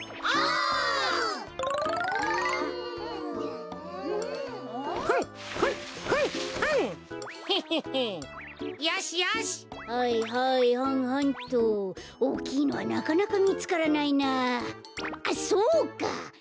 あっそうか。